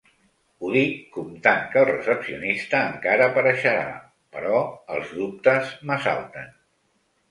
Ho dic comptant que el recepcionista encara apareixerà, però els dubtes m'assalten.